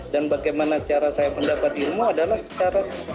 dan bagaimana cara saya mendapatkan ilmu itu adalah kegembiraan